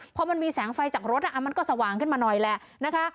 พอมันมีแสงไฟจากรถมันก็สว่างขึ้นมาหน่อยแหละนะคะ